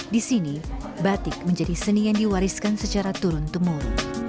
di sini batik menjadi seni yang diwariskan secara turun temurun